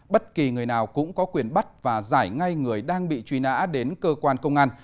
bất kỳ người nào cũng có quyền bắt và giải ngay người đang bị truy nã đến cơ quan công an